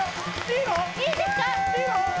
いいんですか？